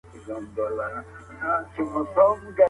دلته بله محکمه وي فیصلې وي